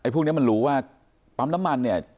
พวกนี้มันรู้ว่าปั๊มน้ำมันเนี่ย